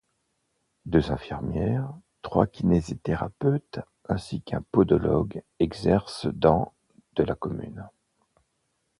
Deux infirmières, trois kinésithérapeutes ainsi qu'un podologue exercent dans de la commune.